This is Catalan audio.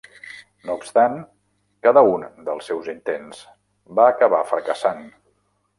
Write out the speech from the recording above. No obstant, cada un dels seus intents va acabar fracassant.